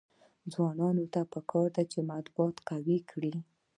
ځوانانو ته پکار ده چې، مطبوعات قوي کړي.